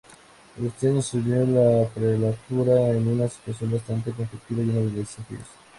Agustín asumió la Prelatura en una situación bastante conflictiva, llena de desafíos.